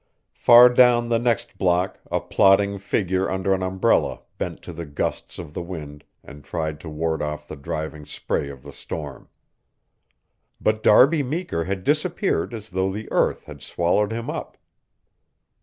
Far down the next block a plodding figure under an umbrella bent to the gusts of the wind and tried to ward off the driving spray of the storm. But Darby Meeker had disappeared as though the earth had swallowed him up.